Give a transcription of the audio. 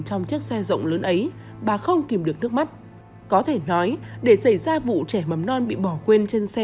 trong chiếc xe rộng lớn ấy bà không kìm được nước mắt có thể nói để xảy ra vụ trẻ mầm non bị bỏ quên trên xe